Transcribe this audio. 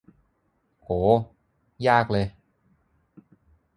โห ยากเลย